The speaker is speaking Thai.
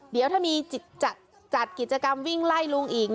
เดี๋ยวถ้ามีจัดกิจกรรมวิ่งไล่ลุงอีก